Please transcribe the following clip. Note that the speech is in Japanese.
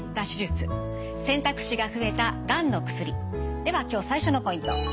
では今日最初のポイント。